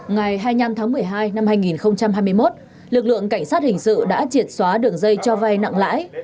ngày hai mươi năm tháng một mươi hai năm hai nghìn hai mươi một lực lượng cảnh sát hình sự đã triệt xóa đường dây cho vay nặng lãi